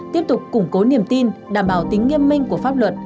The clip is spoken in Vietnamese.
tiếp tục củng cố niềm tin đảm bảo tính nghiêm minh của pháp luật